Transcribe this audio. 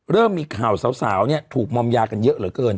เริ่มมีข่าวสาวถูกมอมยากันเยอะเหลือเกิน